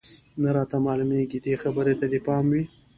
نه راته معلومېږي، دې خبرې ته دې باید پام وي.